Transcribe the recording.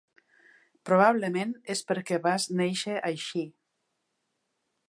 Probablement és per que vas néixer així.